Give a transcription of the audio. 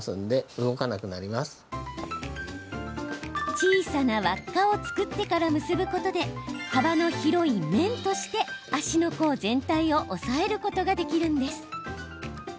小さな輪っかを作ってから結ぶことで幅の広い面として足の甲全体を押さえることができるんです。